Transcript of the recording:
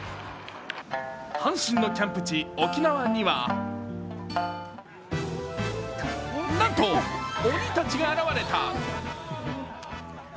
阪神のキャンプ地・沖縄にはなんと鬼たちが現れた。